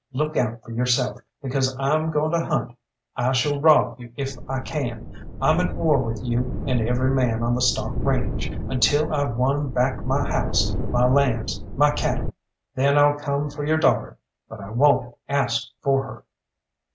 look out for yourself, because I'm going to hunt. I shall rob you if I can; I'm at war with you and every man on the stock range, until I've won back my house, my lands, my cattle. Then I'll come for your daughter, but I won't ask for her!"